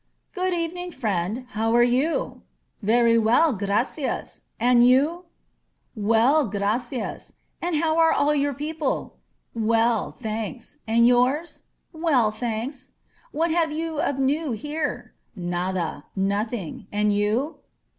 "Good evening, friend. How are you?" "Very well, graciaa. And you?" *'Well, gracias. And how are all your people?" "Well, thanks. And yours?" Well, thanks. What have you of new here?" "Nada. Nothing. And you?"